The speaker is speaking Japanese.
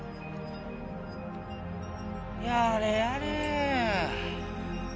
やれやれ。